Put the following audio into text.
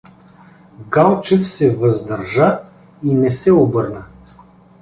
Галчев се въздържа и не се обърна.